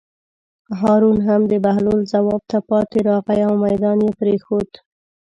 هارون هم د بهلول ځواب ته پاتې راغی او مېدان یې پرېښود.